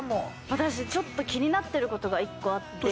私ちょっと気になってる事が１個あって。